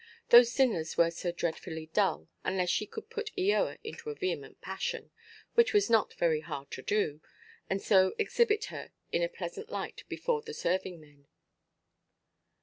Those dinners were so dreadfully dull, unless she could put Eoa into a vehement passion—which was not very hard to do—and so exhibit her in a pleasant light before the serving–men.